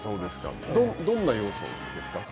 どんな様相ですか。